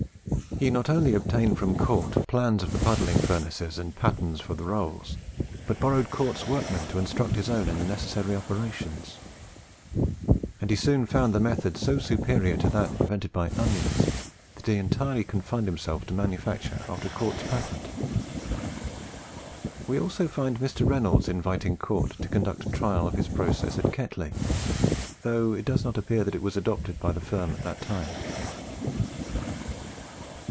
He not only obtained from Cort plans of the puddling furnaces and patterns of the rolls, but borrowed Cort's workmen to instruct his own in the necessary operations; and he soon found the method so superior to that invented by Onions that he entirely confined himself to manufacturing after Cort's patent. We also find Mr. Reynolds inviting Cort to conduct a trial of his process at Ketley, though it does not appear that it was adopted by the firm at that time.